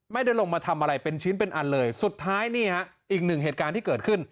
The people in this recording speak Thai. ไม่ได้ลงมาทำอะไรเป็นชิ้นเป็นอันเลยสุดท้ายนี่ฮะอีกหนึ่งเหตุการณ์ที่เกิดขึ้น